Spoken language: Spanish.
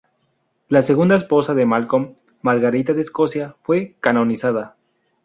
La segunda esposa de Malcolm, Margarita de Escocia, fue canonizada.